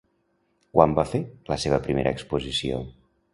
Quan va fer la seva primera exposició?